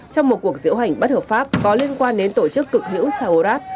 trong một cuộc diễu hành bất hợp pháp có liên quan đến tổ chức cực hữu saurat